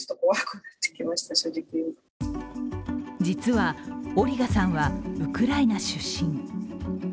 実はオリガさんはウクライナ出身。